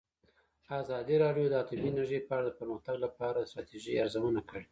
ازادي راډیو د اټومي انرژي په اړه د پرمختګ لپاره د ستراتیژۍ ارزونه کړې.